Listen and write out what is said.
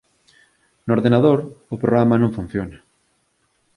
No ordenador o programa non funciona.